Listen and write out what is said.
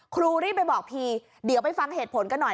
ครูรีบไปบอกพีเดี๋ยวไปฟังเหตุผลกันหน่อย